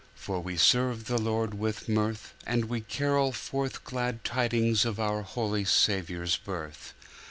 For we the serve the Lord with mirth, And we carol forth glad tidings Of our holy Saviour's birth.